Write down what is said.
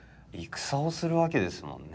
戦をするわけですもんね。